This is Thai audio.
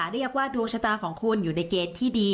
เรียกว่าดวงชะตาของคุณอยู่ในเกณฑ์ที่ดี